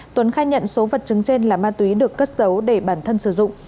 tuấn khai nhận số vật chứng trên là ma túy được cất giấu để bản thân sử dụng